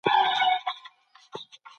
زه غواړم چې په راتلونکي کې یو دیني عالم شم.